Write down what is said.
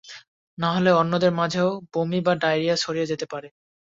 নাহলে অন্যদের মাঝেও বমি বা ডায়রিয়া ছড়িয়ে যেতে পারে।